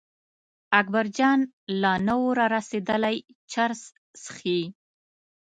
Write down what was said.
اکبرجان لا نه و را رسېدلی چرس څښي.